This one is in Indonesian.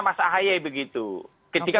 mas ahaye begitu ketika